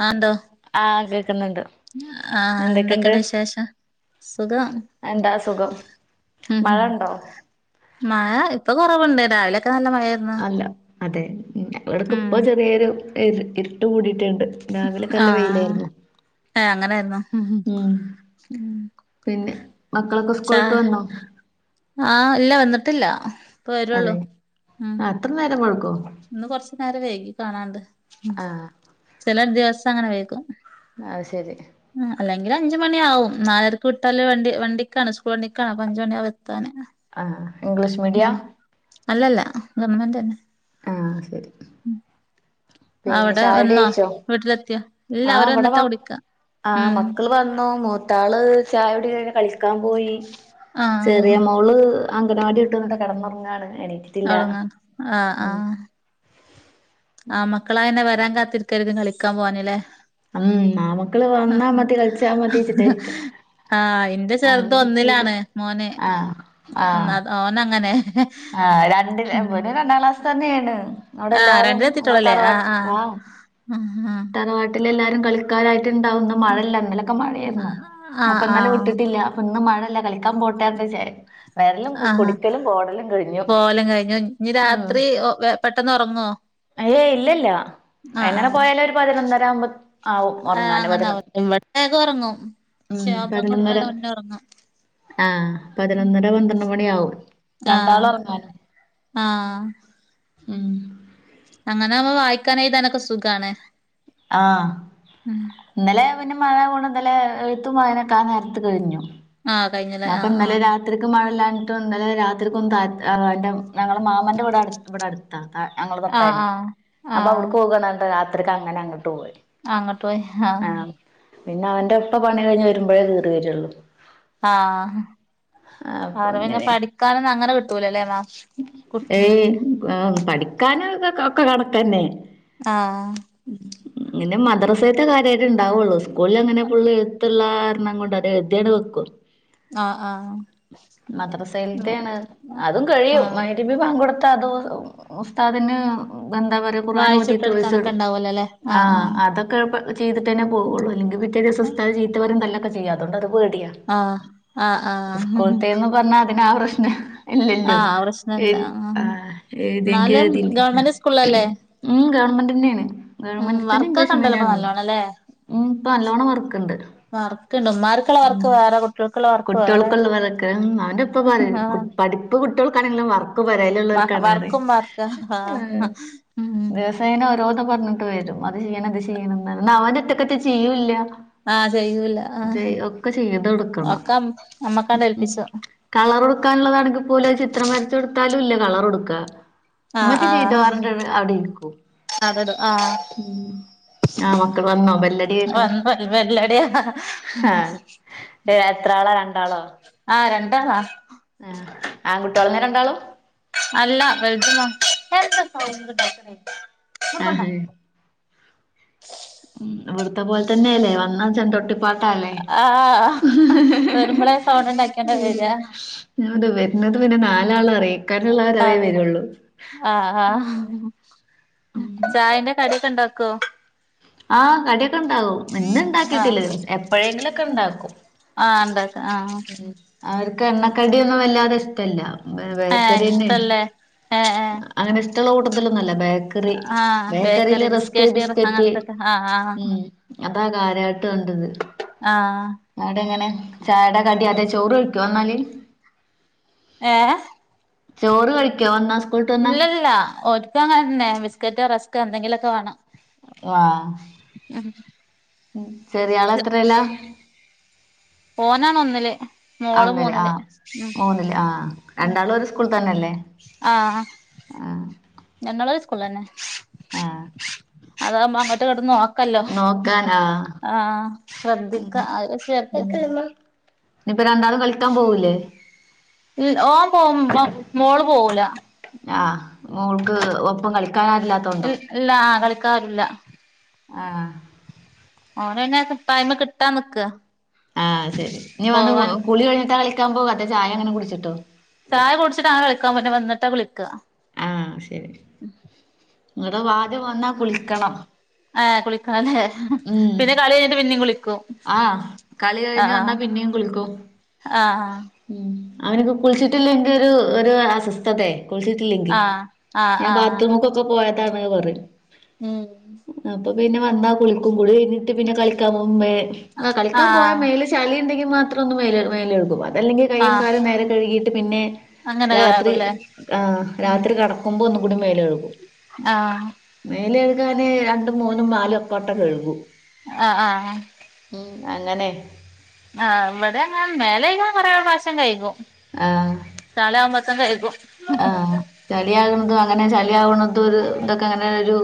അഎന്താ ആഹ് കേക്കുന്നുണ്ട് ആ എന്തൊക്കെണ്ട് എന്തൊക്കെയുണ്ട് വിശേഷം, സുഖം. എന്താ സുഖം ഉം മഴ ഉണ്ടോ മഴ ഇപ്പൊ കൊറവുണ്ട്. രാവിലെയൊക്കെ നല്ല മഴ ആയിരുന്നു. അല്ല അതെ ഇവിടക്ക ഇപ്പൊ ചെറിയൊരു ഇ ഇരുട്ട് കൂടിയിട്ടുണ്ട് രാവിലൊക്കെ നല്ല ആഹ് വെയിലായിരുന്നു ഏ അങ്ങനായിരുന്നോ ഉം ഉം പിന്നെ മക്കളൊക്കെ ചാ സ്കൂളിട്ട് വന്നോ ആഹ് ഇല്ല വന്നിട്ടില്ല ഇപ്പ അതെ വരുള്ളൂ ഉം അത്ര നേരം വൈകൊ ഇന്ന് കൊറച്ചു നേരം വേകി കാണാണ്ട് ആഹ് ചില ദിവസം അങ്ങനെ വൈക്കും അ ശരി അല്ലെങ്കിൽ അഞ്ചുമണിആവും നാലരക്ക് വിട്ടാല് വണ്ടി വണ്ടിക്കാണ് സ്കൂൾ വണ്ടിക്കണ അപ്പ അഞ്ചുമണിയാവും എത്താന് ആ ഇംഗ്ലീഷ് മീഡിയ ഉം അല്ലല്ല ഗവൺമെന്റ് തന്നെ ആഹ ശരി ഉ അവിടെ വന്നാ വീട്ടിലെത്തിയ ആ അവിടെ മ ആഹ് മക്കള് വന്നു മൂത്താള് ചായുടി കഴിഞ്ഞു കളിക് ക്കാൻ പോയി ചെറിയ ആഹ് മോള് അങ്കനവാടി വിട്ടുന്നിട്ട കിടന്നുറങ്ങാണ് എ അവടുങ്ങ ആഹ് ആഹ് ആഹ് മക്കളാന്നെ വരാൻ കാത്തിരിക്കരു കളിക്കാൻ പോവാനല്ല ഉം ആമക്കള് വന്നാ മതി കളിച്ചാൻ മടിച്ചിട്ടായിരിക്ക ആഹ് ഇന്റെ ചെറുത് ഒന്നിലാണ് മോന് ആഹ് ആഹ് ഓന അങ്ങനെ ആഹ് രണ്ട വിടെ രണ്ടാം ക്ലാസ് തന്നെയാണ് ആഹ് അവിടെല്ലാരും നിങ്ങളെ രണ്ടിലെത്തിട്ടൊള്ളൂല്ലേ തറവാട്ട ആഹ് ആഹ് ആ ആഹ് തറവാ ട്ടിൽ എല്ലാരും കളിക്കാരായിട്ട് ഉണ്ടാവും ന്ന് മഴല്ല ഇന്നലൊക്കെ മഴയായിരുന്നു അപ്പൊ ആഹ് ആഹ് ഇന്നലെ ആഹ് വിട്ടിട്ടില്ല കുന്നും മഴല്ല കളിക്കാൻ പോട്ടെക്ക വരലും കുടിക്കലും ഓടലും പോലം കഴിഞ്ഞു ഞ്ഞീരാത്രി പെട്ടന്ന് ഉറങ്ങോ ഏയയ് ഇല്ലല്ല എങ്ങനെ പോയാല ഒരു പതിനൊന്നര ആവുമ്പോ ആവും ആഹ് ഒറങ്ങല് പതിനൊന്ന് ശാപം കൊടുക്കൻ ഒന്ന ഇറങ്ങ ആ പതിനൊന്നര പന്ത്രണ്ട് മണിയ ആവു ആഹ ആഹ ഉം അങ്ങനൊവുമ്പോ വായിക്കാനഴതാനൊക്കെ സുഖമാണ് ആഹ ഇന്നലെ പിന്നെ മഴ വോണ്ട് ഇന്നലെ എഴുത്തും വായനൊക്കെ ആ നേരത്ത് കഴിഞ്ഞു ആഹ് കഴിഞ്ഞില്ലേ അപ്പൊ ആഹ് ഇന്നലെ ആഹ് രാത്രിക്ക് മഴല്ലാഞ്ഞിട്ടും ഇന്നല രാത്രികൊന്ന് താ ആങ്ങൾടെ ഞങ്ങളെ മാമന്റെ വീട് ഇവിടെ അടുത്താ ഞങ്ങുടെ ആഹ് തൊട്ടന്നെ ആഹ് അപ്പൊ ആഹ് അവിടെകൊകാന്നർ രാത്രി ത്രയ്ക്ക് അങ്ങനെ അങ്ങോട്ട പോവൽ അങ്ങോട്ട് പോയി ആഹ പിന്നെ അവന്റെ ഇപ്പ പണി കഴിഞ് വരുമ്പോഴേ കേറി വെരുള്ളൂ. ആഹ ആഹ് അപ്പൊ അവിടെങ്ങെനെ അങ്ങനെ പഠിക്കാനന്ന അങ്ങനെ കിട്ടൂലല്ലേ മാ.. ഏയ് പഠിക്കാന ഇതൊ ഒക്കെ കണക്കന്നെ. ആഹ ഉംമ് പിന്നെ മദ്രസേത്തെ കാര്യയിട്ട് ഉണ്ടാവുള്ളൂ സ്കൂളിൽ അങ്ങനെ ഫുൾഎഴുത്ത്ള്ള കാരണം കൊണ്ട് അത് എഴുതിയണ്ട് വെക്കും. ആഹ് ആഹ് മദസൈലത്തെയാണ് അതും കഴിയും ആഹ് മഗ് രിബ് ബാങ്കൊടുത്ത അദ് ഉസ്താദിന്ന് എന്താപറയാ ഖുറാഹാനോതി വോയിസ്‌ വായിച്ചുട്ടൊടുക്കാനൊക്കെ വിടും ഉണ്ടാവൂലല്ലേ ആഹ് ആഹ ആഹ് അതൊക്കെ.. ഒക്കെ ചെയ്തിട്ടെ തന്നെ പോകയുള്ളൂ അല്ലെങ്കിൽപിറ്റേ ദിവസം ഉസ്താദ് ചീത്തപറയു തല്ലൊക്കെ ചെയ്യാഅതോണ്ട് അത് പേടിയാണ്. ആഹ് ആഹ് ആഹ് സ്കൂളത്തെന്ന് പറഞ്ഞാ അതിനാആ പ്രശ്നം ഇല്ലല്ലോ. ആഹ് ഏ പ്രശ്നല്ല ആഹ് ഏഴുതിയങ്കി [unintelligible] എന്നാലും ഗവൺമെന്റ് സ്കൂളിലല്ലേ ഉ ഗവൺമെന്റ് തന്നെയാണ് ഉം ഗവണ്മെന്റ് തന്നെ വർക്കൊക്കെ ഇംഗ്ലീഷ് ഉണ്ടല്ലോ ഇപ്പൊ മീഡിയം. നല്ലോണല്ലേ ഉ ഇപ്പൊ നല്ലോണ്ണം വർക്ക്ണ്ട്. വർക്ക്ണ്ട് ഉമ്മാർക്കുള്ള മം വർക്ക് വേറെ കുട്ടികൾക്കുള്ള വർക്ക് വേറെ കുട്ടികൾക്കുള്ളതൊക്ക ഓന്റെ ഇപ്പ പറയ ആഹ് പടി.. ഇപ്പ കുട്ടികൾക്കാണെങ്കിലും വർക്ക് പരയിൽ മ ഉള്ളോർക്കണന്നു പറയും വർക്കും വർക്ക ആ ആഹ് ഉം ദിവസ് ഇങ്ങനെ ഓരോന്നന്ന് പറഞ്ഞിട്ട് വരും അത് ചെയ്യണം അത് ചെയ്യണം അവൻഒറ്റക്ക് റ്റേ ചെയ്യൂല്ല ആഹ് ചെയ്യൂല ആഹ് ഒക്കെ ചെയ്ത് കൊടുക്കണം ഒക്കെ അമ്മക്കാണ്ട് ഏൽപ്പിച്ചു കളർ കൊടുക്കാനുള്ളതാണെങ്കിൽ പോലെ ചിത്രം വരച്ച കൊടുത്താലും ഇല്ല കളർ കൊടുക്കുക ആഹ് ഇമ്മച്ചി ചെയ്തോ ആഹ് ന്ന് പറഞ്ഞിട്ട് അവിടെ ഇരിക്കും അതെടും ആഹ് ആഹ മക്കൾ വന്നോ ബെല്ലടി കേക്കണ വന്ന് വൽ വെല്ലടിയ ആഹ ഏ എത്ര ആളാ രണ്ടാളോ ആ രണ്ടാളാ ആ് ആൺകുട്ടികളന്നെ രണ്ടാളും അല്ല രണ്ട് [unintelligible] ആഹഹ ഉ ഇവിടത്തെ പോലെ തന്നെയ അല്ലേ വന്നാ ചെണ്ടൊട്ട് പാട്ടല്ലേ ആഹ് വരുമ്പളേ സൗണ്ട് ഇണ്ടാക്കിയാണ്ട ഉ വരാ ങ്ങട്ട് വരുന്നത് പിന്നെ നാലാള അറിയിക്കാനുള്ളവര അവയേ വരുള്ളൂ ആഹ ആ ചായന്റെ കടിയൊക്കെ ഇണ്ടാക്കോ ആഹ് കടിയൊക്കെ ഉണ്ടാവും ഇന്ന് ഉണ്ടാക്കിയിട്ടില്ല എപ്പോഴെങ്കിലുംക്കെ ഉണ്ടാക്കും ആഹ എന്താ ഉം അവർക്ക് എണ്ണക്കടി ഒന്നും വല്ലാതെ ഇഷ്ടമല്ല ഏഹ് ബേക്കറിന്നെ ഇഷ്ടല്ലേ ഏഹ് ഏഹ് അങ്ങനെ ഇഷ്ടമുള്ള കൂടുത്തിലൊന്നല്ല ബേ ആഹ് ബേക്കറിൽ ബേക്കറി റസ്ക് ബിസ്കറ്റ് അങ്ങനത്തൊക്കെ ആഹ് ആഹ് ഉം അതാ കാര്യായിട്ട് വിട്ട [unintelligible] ആഹ അടെ എങ്ങനെ ചായട കടിയാത ചോറ് കഴിക്കുവോ വന്നാല് ഏഹ ചോറ് കഴിക്കോ വന്ന ഇല്ല ഇല്ല ഒരിക്ക അങ്ങന തന്നെ ബിസ്ക്കറ്റ് റസ്ക് എന്തെങ്കിലുമൊക്കെ വേണം ആ ചെറിയള എത്രല്ലാ ഓനാണ് ഒന്നില് മോള് അന്നില് മൂന്നില് ആ് ഉം മൂന്നില് ആഹ് രണ്ടാളും ഒരു സ് കൂൾ. തന്നല്ലേ ആ ഞങ്ങൾ ഒരു സ്കൂള തന്നെ ആഹ് അതാവുമ്പോ അങ്ങോട്ട് കടന്ന് നോക്കല്ലോ നോക്കാൻ ആഹ് ആഹ ഉം ശ്രദ്ധിക്ക ശ്രദ്ധിക്ക ഇനിയിപ്പൊ രണ്ടാളും കളിക്കാൻ പോവൂല്ലേ ഓൻ പോവുമ്പോ മോള് പോകൂല ആഹ് മോൾക്ക് ഒപ്പം കളിക്കാനരില്ലാത്തോണ്ടോ ഇല്ല കളിക്കാരില്ല ആഹ ഓനന്ന പായ്മ കിട്ടാ നിക്ക ആഹ് ശരി നീ വന്ന് പോവാൻ കുളി കഴിഞ്ഞിട്ടാ കളിക്കാൻ പോ അത ചായ അങ്ങനെ കുടിച്ചിട്ടോ ചായ കുടിച്ചിട്ട്ങ്ങന കളിക്കാൻ വന്നിട്ട് കുളിക്കുക ആഹ ശരി ങ്ങിട്ട് ആദ്യം വന്നാ കുളിക്കണം ആ കുളിക്കല്ലേ പിന്നെ കളി കഴിഞ്ഞിട്ട് പിന്നും കുളിക്കും ആഹ കളി കഴിഞ് ആഹ് വന്നാ പിന്നെയും കുളിക്കും ആഹ് ഉ അവനക്ക് കുളിച്ചിട്ടില്ല ഒരു അസ്വസ്ഥത ളിച്ചിട്ടില്ലെങ്കിൽ ആഹ് ആഹ് ഞാൻ ആഹ് ബാത്റൂമക്കൊക്കെ പോയതാണ് പറ ഉം അപ്പൊ പിന്നെ വന്നാൽ കുളിക്കും കളി കഴഞ്ഞിട്ട് പിന്നെ കളിക്കാൻ പോ കളിക്കാൻ പോയ ആഹ് മേല ചളി യുണ്ടെങ്കിൽ മാത്രം ഒന്ന് മേല്കും അല്ലെങ്കിൽ കൈ്യും ആഹ് കാലം നേരം കഴുകിട്ട് പിന്നെ അങ്ങനെ രാത്രി കേറുല്ലേ രാത്രി കട കുമ്പോ ഒന്നുകൂടി മേലൊഴക്കും ആഹ മേലഴുകാന് രണ്ടും മൂന്നും നാലും ഒക്കോട്ടൊ കഴുകു ആഹ ആഹ ഉം അങ്ങനെ ആ ഇവിടെ അങ്ങനെ മേലക്കൻ കൊറെേ പ്രാവശ്യം കഴിക്കും ആ തല ആകുമ്പോത്തിന് കഴുകും ആ ചളിയാകുന്നതും അങ്ങനെ ചളിയ ആകണത അത ഇതൊക്കെ അങ്ങനെ ഒരു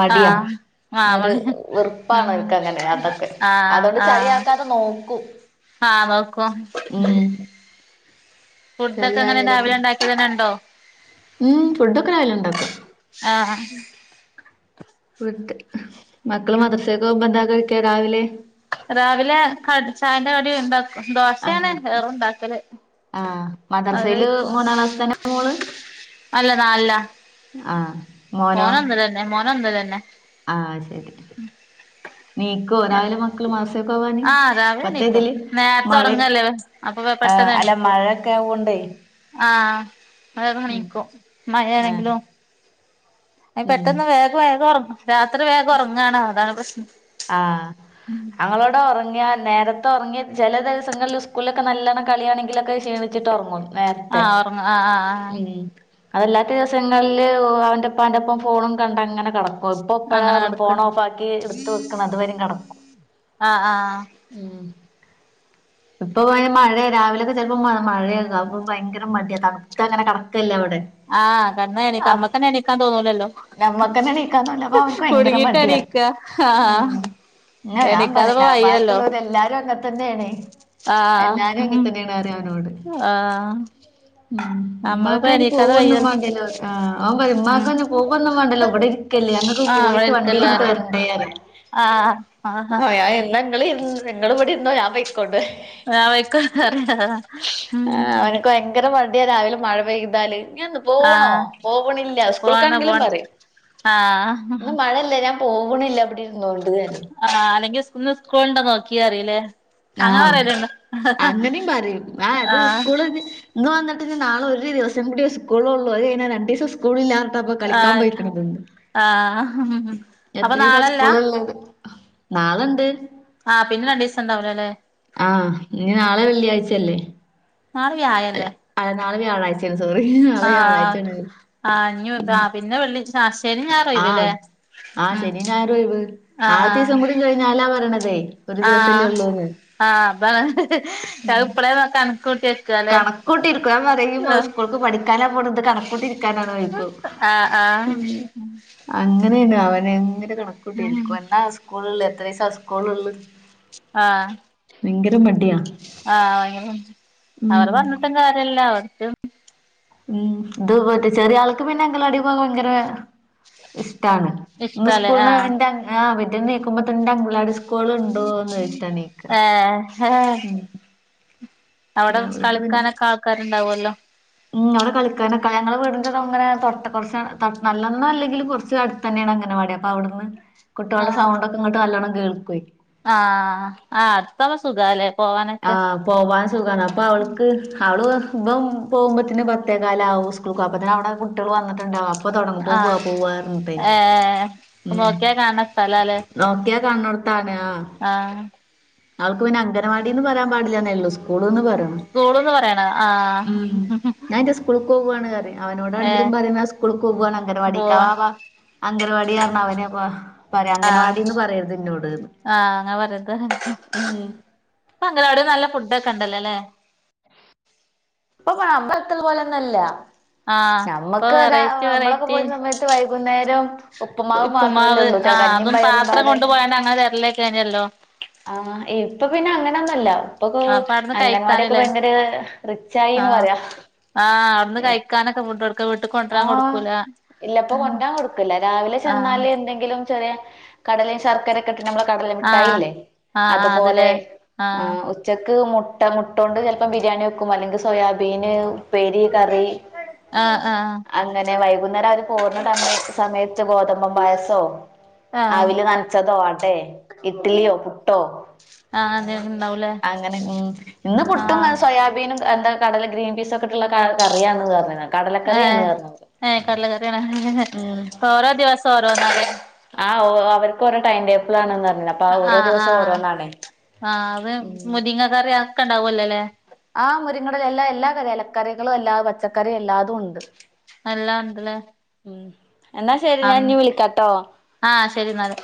മടിയാ ആഹ് ആഹ് മണി ഉം വെറുംപ്പണക്ക അങ്ങനെ അതൊക്കെ അതുകൊണ്ട് ചളിയക്കാതെ നോക്കും ആഹ വക്ക ഉം ഫുഡൊക്കെ അങ്ങനെ ചളിയായാലൊക്കെ രാവിലെ ഉണ്ടാക്കിയതിനുണ്ടോ ഉം ഫുഡൊക്കെ എല്ലാം ഉണ്ടാക്കും ആഹ് ഫ് മക്കൾ ഉം മദർസൊക്കെ ഒ ബന്ധക്കെ കഴിക്ക രാവിലെ [unintelligible] രാവിലെ ക ചായന്റെ കടി ഉണ്ടാക്ക ദോശയാണ് ആഹ് ഏറുണ്ടാക്കല് ആഹ് അത് മദ്രസയില് കഴക്കും മൂന്നാം ക്ലാസ് തന്നെ മോള് അല്ല നാല ആഹ മോനോ മോന് ഒന്നിലന്നെ ആഹ ശരി നീക്കോ രാവിലെ മക്കള് മദ്രസക്ക് പോ വാന ആഹ് രാവിലെ എണീക്കും ബത്തേതില് നേരത്തെ മഴ ഉറങ്ങല്ലേ അപ്പൊ ആഹ അല്ല മഴയൊക്കെ ആവണ്ടേ ആഹ വേഗം നിക്കും ആഹ് മഴേണെങ്കിലും അ ഉം പെട്ടെന്ന് വേഗം വേഗം ഉറങ്ങ രാത്രി വേഗം ഉറങ്ങണോ അതാണ് പ്രശ്നം ആഹ് അങ്ങളോ ഇവിടെ ഉറങ്ങിയാ നേരത്തെ ഉറങ്ങി ചില ദിവസങ്ങളിൽ സ്കൂളിലൊക്കെ നല്ലവണം കളിയാണെങ്കിലൊക്കെ ക്ഷീണിച്ചിട്ട് ഉറങ്ങും നേരത്തെ ആഹ് ഉറങ്ങും ആഹ് ആഹ് ഉം അതല്ലാത്ത ദിവസങ്ങളില് അവന്റെപ്പാന്റെ ഒപ്പം ഫോണും കണ്ട അങ്ങനെ കടക്കും ഇപ്പ ആഹ് എപ്പഴ അങ്ങനെ ഫോൺ കിടക്കും ഓഫ് ആക്കി എടുത്ത് വെക്കണ അതുവരും കിടക്കും ആഹ് ആഹ് ഉം ഇപ്പൊ മഴയ രാവിലെൊക്കെ ചെപ്പോ മഴയൊക്ക്പ ഭയങ്കര മടിയ തണുത്ത് അങ്ങനെ കടക്കല്ല അവിടെ ആഹ് കടന്ന എണിക്ക ഞമ്മക്കന്നെ എണിക്കാൻ തോന്നൂലല്ലോ നമ്മുക്കന്നെ നീക്കാൻ തോന്നുല അപ്പ അവക്ക് ഭയങ്കര മടിയ നീക്ക ആഹ ഞാൻ പറയല ബാക്കിയുള്ളവര് എല്ലാരും അങ്ങെ തന്നെയാണ് ആഹ് എല്ലാരും ഉം അങ്ങെ തന്നെയാണ് അറിയ അവനോട് ആഹ് ഉ നമ്മളിപ്പോ ഉമ്മാക്കന് എണീക്കാതെ പോവന്ന വയ്യ വേണ്ടല്ലോ ൻ പറ ഉം ഉമ്മാക്കെ പോവന്നും വേണ്ടല്ലോ ഇവിടെ ല്ലേഞങ്ങക്ക് പോയിട്ട് വണ്ടിയി ഇങ്ങട്ട് വരണ്ടേന്ന് പറയൂ ആഹ ആഹഹ എ നിങ്ങൾ ങ്ങൾ ഇവിടെ ഇര്ന്നോ ഞാൻ പൊ ആഹ് [unintelligible] ഉം ആ അവനക്ക് ഭയങ്കര മടിയ രാവിലെ മഴ പെയ്താല് പോണോ ആഹ് പോവണില്ല പോണം സ്കൂൾക്കാണെങ്കിലും പോണം പറയും ആഹ് ഇന്ന് മഴ ല്ലെ ഞാൻ പോവണില്ല വിടെ ഇരുന്നൊണ്ട് റിം ആഹ് അല്ലെങ്ക ഇന്ന് സ്കൂളണ്ടോ നോക്കി പരിം ല്ലെ ആഹ് അങ്ങനെയും പറയും ആ അത് ആഹ് സ്കൂള് ഇന്ന് വന്നിട്ട് നാളെ ഒരു ദിവസം കൂടി സ്കൂൾ ള്ളൂ അത്‌ കഴിഞ്ഞ രണ്ടീസം സ്കൂളില്ലാറിഞ്ഞിട്ടാപ്പം കളിക്കാൻ ആഹ് പോയിക്കണത് ആഹ് അപ്പൊ എത്ര ദിവസ നാളല്ല സ്കൂളള്ള നാളണ്ട് ആഹ് പിന്നെ രണ്ടീസം ഉണ്ടാവൂല ലെ ആഹ് ഞ് നാളെ വെള്ളിയാഴ്ചയല്ലേ നാളെ വ്യായല്ലേ ആഹ് നാളെ വ്യാഴ്ച സോറി നാളെ ആഹ് വ്യാഴാഴ്ചയാണ് ആഹ് ആഹ് ഇന്നി ഉം ആഹ് പിന്നെ വെള്ളി ശ്ശെനി ഞായ ആഹ് ആഹ് ശനി ഞായറും ഒഴിവ് ആഹ് നാളത്തെ ആഹ് ദിവസം കൂടികഴിഞ്ഞാലാ പറയണതേ ഒരു ദിവസല്ലേ ആഹ് ഉള്ളൂന്ന് ആഹ് അതിപ്പളെ കണക്കൂട്ടി വെ കണക്കൂട്ടിരിക്കും ഞാൻ പറയുമ്പോ സ്കൂൾക്ക് പഠിക്കാനാ പോണ് ഇത് കണക്കൂട്ടി ഇരിക്കാനാണോ ചോയിക്കും. ആഹ് ആഹ് അങ്ങനെയണ് അവന് എങ്ങനെ കണക്കൂട്ടി ഉം ഇരിക്കും എന്താ സ്കൂൾള്ള് എത്ര ദിവസാ സ്കൂൾള്ള് ആഹ് ആഹ് വയങ്കര ഉം അവർ പറഞ്ഞി പറഞ്ഞിട്ടും കാര്യല്ല അവർക്കും ഉം ഇത് മറ്റേ ചെറിയ ആൾക്ക് പിന്നെ അംഗനവാടി പോവാൻ ഭയങ്കര ഇഷ്ടാണ് ഇന്ന് ഇഷ്ടാല്ലേ ആഹ് സ്കൂളിന്ന്ന്റെ ബെഡ് ന്ന് നീക്കുമ്പോ തന്നെ അംഗനവാടി സ് സ്കൂള് ഉണ്ടോന്ന് ചോച്ചിട്ടാ നീക്ക ഉം പിന്നെ അവടെ അവൾക്ക് പിന്നെ കളിക്കാനൊക്കെ ആൾക്കാരുണ്ടാവോല്ലോ ഉം അവിടെ കളിക്കാനൊക്കെ ഞങ്ങളെ വീടിന്റെത് അങ്ങനെ തൊട്ട കൊറച്ചങ്ങട്ട് നല്ലന്നല്ലെങ്കിലും കൊറച്ച് അടു തന്നെണ് അംഗനവാടി അപ്പൊ അവിടുന്ന് കുട്ടികളുടെ ആഹ് സൗണ്ടക്കെ ഇങ്ങട്ട് നല്ലണം കേൾക്കോയ്. ആഹ് ആഹ് അടതാവുമ്പോ സുഖാല്ലേ പോവാനൊക്കെ ആഹ് പോവാൻ സുഖാണ് അപ്പൊ അവൾക്ക് അവള് ഇബം പോകുമ്പൊത്തിന് പത്തേകാലാവും സ്കൂൾക്ക് പോവാൻ അപ്പത്തിന് അവടെ കുട്ടേൾ വന്നിട്ടുണ്ടാകും. അപ്പൊ തൊടങ്ങും പോവാ ആഹ് പോവാറഞ്ഞിട്ടേ ഏ ഉം നോക്കിയാ കാണണ സ്ഥലാല്ലേ നോക്കിയാ കാണ്ണോട്ത്താണ് ആഹ് ആൾക്ക് പിന്നെ അംഗനവാടിന്ന് പറയാൻ പാടില്ലാന്നെള്ളൂ സ്കൂള്ന്ന് പറ സ്കൂള്ന്ന് പറയണ ആഹ് ഞാൻ ന്റെ സ്കൂളിക്ക് പോവാണ്റി ഏ അവനോടാണങ്കിലും പറയും സ്കൂളിക്ക് പോവാണ് പോവാ അംഗനവാടിക്കാന്നാ പ അംഗൻവാടി പറഞ്ഞ അവന് പറ ആഹ് അംഗൻവാടിന്ന് പറയരുത് എന്നോട്ന്ന് ആഹ് അങ്ങനെ പറയര്ത് ഉം ഇപ്പൊ അംഗനവാടില് നല്ല ഫുഡ് ഒക്കെ ഉണ്ടല്ലോല്ലേ ഇപ്പൊ [unintelligible] പോലെന്നല്ല ആഹ് ഇപ്പൊ നമ്മക്ക്ത വെറൈറ്റി നമ്മളൊക്കെ വെറൈറ്റി പോയിരുന്ന സമയത്ത് വൈകുന്നേരം ഉപ്പ്മാവ് ഉപ്പുമാവ് മാത്രമല്ലേള്ളൂ ആഹ് അതും പാത്രം കൊണ്ട് പോയ അങ്ങനെ തരലേക്കനല്ലോ ആഹ് ഇപ്പൊ പിന്നെ അങ്ങനെന്നല്ല ഇപ്പൊക്കെ ആഹ് അപ്പൊ അവിടുന്ന് അംഗൻവാടിയൊക്കെ കഴിക്കാനില്ലേ ഭയങ്കര റി ആഹ് ആഹ് അവിടുന്ന് കഴിക്കാനൊക്കെ ഫുടൊടു ആഹ് ഇല്ലപ്പൊ കൊണ്ടോൻ കൊടുക്കൂല രാവിലെ ആഹ് ചെന്നാല് എന്തെങ്കിലും ചെറിയ കടലയും ശർക്കരയക്കെ ഇട്ടിട്ട് നമ്മൾ കടല ആഹ് മിട്ടായില്ലേ ആഹ് ആഹ് അതുപോലെ അതിലേ ആഹ് ഉച്ചക്ക് മുട്ട മുട്ടൊണ്ട് ചെലപ്പം ബിരിയാണിവയ്ക്കും അല്ലെങ്കിൽ സോയാബീൻ ഉപ്പേരി കറി ആഹ് ആഹ് അങ്ങനെ വൈകുന്നേരം അവര് പോര്ണ്ണടമ്മ സമയത്ത് ഗോതമ്പം പായസോ ആഹ് അവിൽ നനച്ചതോ അടെ ഇഡ്ലിയോ പുട്ടോ ആഹ് എന്തെങ്കിലും ഉണ്ടാവൂലേ അങ്ങനെ ഉം ഇന്ന് പുട്ടും ആഹ് സോയാബീനും എന്താ കടല ഗ്രീൻ പീസ് ഒക്കെട്ടുള്ള കറിയന്ന് പറഞ്ഞ് കടലക്കറിയാണ് ഏഹ് പറഞ്ഞ് ഏഹ് കടല കറിയാണ് ഓരോ ദിവസം ഓരോന്നാലെ ആഹ് ഓഹ് അവർക്കു ഓരോ ടൈംടേബിൾ ആണെന്ന് പറഞ്ഞിന് അപ്പൊ ആഹ് ഓരോ ദിവസം ഓരോന്നാണെ. ആഹ് അത് മുരിങ്ങ കറിയക്കെണ്ടാവല്ലോല്ലേ ആഹ് മുരിങ്ങടും എല്ലാ എല്ലാ കറി ഇലക്കറികളും എല്ലാതും പച്ചക്കറി എല്ലാതു നല്ലാണ്ടല്ലേ ഉം എന്നാ ശരി ഞാൻ ഇഞ്ഞ് വിളിക്കാട്ടോ ആഹ് ശരി ന്നാല്